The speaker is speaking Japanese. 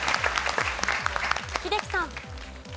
英樹さん。